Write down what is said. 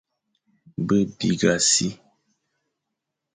Be bîgha si,